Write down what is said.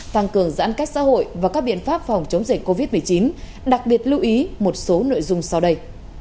tăng cường giãn cách xã hội và các biện pháp phòng chống dịch covid một mươi chín đặc biệt lưu ý một số nội dung sau đây